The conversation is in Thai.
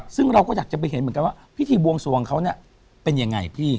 ซึ่งเราก็อยากจะไปเห็นเหมือนกันว่าพิธีบวงสวงเขาเนี่ยเป็นยังไงพี่